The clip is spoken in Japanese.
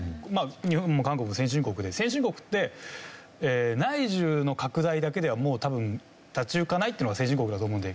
日本も韓国も先進国で先進国って内需の拡大だけではもう多分立ち行かないっていうのが先進国だと思うんで。